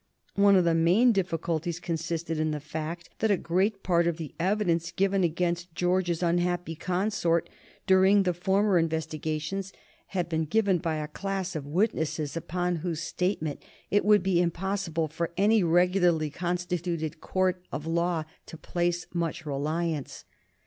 One of the main difficulties consisted in the fact that a great part of the evidence given against George's unhappy consort during the former investigations had been given by a class of witnesses upon whose statement it would be impossible for any regularly constituted court of law to place much reliance.